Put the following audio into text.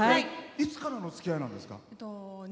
いつからのつきあいなんですか？